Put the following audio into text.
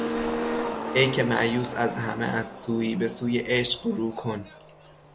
ایکه مایوس از همه از سویی بهسوی عشق روکن